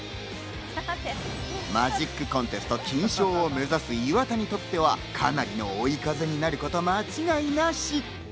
マジックコンテスト金賞を目指す岩田にとっては、かなりの追い風になることは間違いなし。